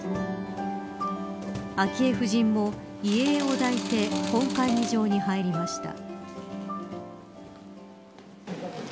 昭恵夫人も遺影を抱いて本会議場に入りました。